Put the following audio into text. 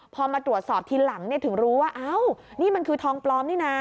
พอมาตรวจสอบทีหลังถึงรู้ว่าอ้าวนี่มันคือทองปลอมนี่นะ